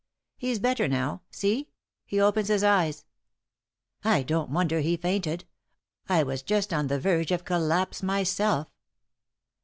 "He's better now. See, he opens his eyes." "I don't wonder he fainted; I was just on the verge of collapse myself."